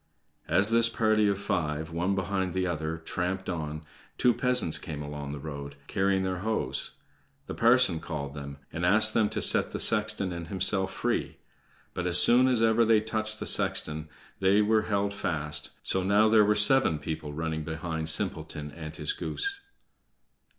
As this party of five, one behind the other, tramped on, two peasants came along the road, carrying their hoes. The parson called them, and asked them to set the sexton and himself free. But as soon as ever they touched the sexton they were held fast, so now there were seven people running behind Simpleton and his goose.